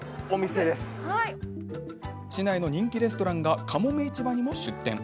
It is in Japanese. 市内の人気レストランがかもめ市場にも出店。